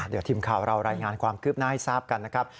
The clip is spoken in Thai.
เดี๋ยวทีมข่าวเรารายงานความคืบหน้าให้ทราบกันนะครับ